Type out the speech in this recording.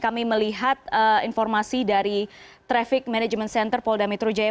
kami melihat informasi dari traffic management center polda metro jaya